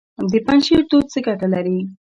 د پنجشیر توت څه ګټه لري؟